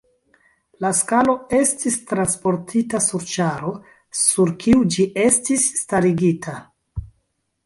La skalo estis transportita sur ĉaro sur kiu ĝi estis starigita.